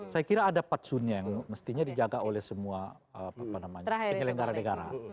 saya kira ada patsunnya yang mestinya dijaga oleh semua penyelenggara negara